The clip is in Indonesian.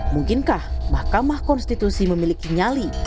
mungkinkah mahkamah konstitusi memiliki nyali